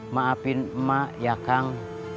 maafin emak ya kang